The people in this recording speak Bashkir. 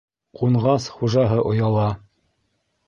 Ҡунғас, хужаһы ояла.